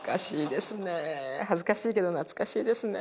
恥ずかしいけど懐かしいですね